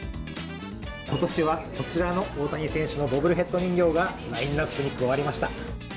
こち市はこちらの大谷選手のボブルヘッド人形がラインナップに加わりました。